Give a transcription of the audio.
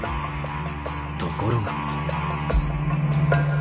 ところが。